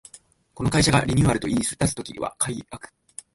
この会社がリニューアルと言いだす時は改悪